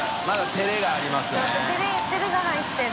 照れが入ってる。